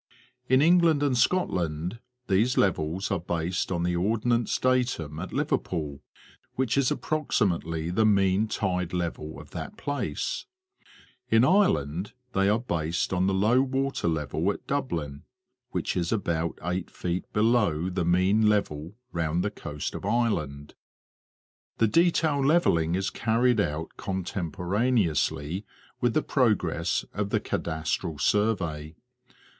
In England and Scotland, these levels are based on the Ord nance Datum at Liverpool, which is approximately the mean tide level of that place ; in Ireland, they are based on the low water level at Dublin, which is about 8 feet below the mean level round the coast of Ireland. The detail levelling is carried out contemporaneously with the progress of the cadastral survey.